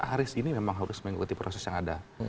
haris ini memang harus mengikuti proses yang ada